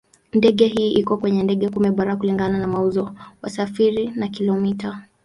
Ndege hii iko kwenye ndege kumi bora kulingana na mauzo, wasafiri na kilomita.